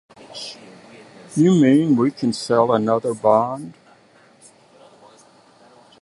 You mean we can sell another bond?